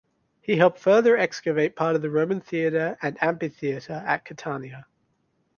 He helped further excavate part of the Roman theater and amphitheater at Catania.